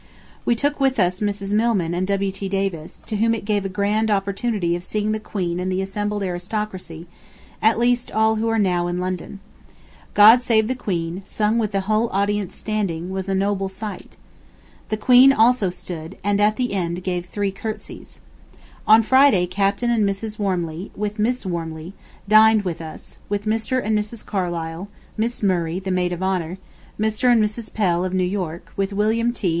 We took with us Mrs. Milman and W. T. Davis, to whom it gave a grand opportunity of seeing the Queen and the assembled aristocracy, at least all who are now in London. "God save the Queen," sung with the whole audience standing, was a noble sight. The Queen also stood, and at the end gave three curtsies. On Friday Captain and Mrs. Wormeley, with Miss Wormeley, dined with us, with Mr. and Mrs. Carlyle, Miss Murray, the Maid of Honor, Mr. and Mrs. Pell of New York, with William T.